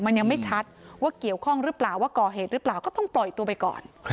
มันยังไม่ชัดว่าเกี่ยวข้องหรือเปล่าว่าก่อเหตุหรือเปล่าก็ต้องปล่อยตัวไปก่อน